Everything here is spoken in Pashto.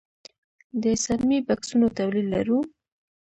د څرمي بکسونو تولید لرو؟